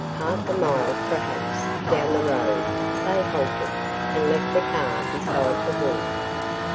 Half a mile, perhaps, down the road, they halted and left the car beside the walk.